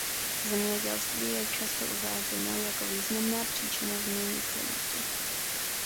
Zemědělství je často uváděno jako významná příčina změny klimatu.